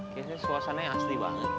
kayaknya suasana yang asli banget